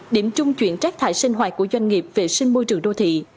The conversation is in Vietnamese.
điểm trung chuyển rác thải sinh hoạt của doanh nghiệp vệ sinh môi trường đô thị